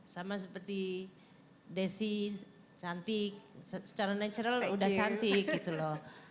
sama seperti desi cantik secara natural udah cantik gitu loh